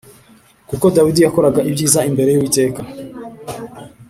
kuko Dawidi yakoraga ibyiza imbere y’Uwiteka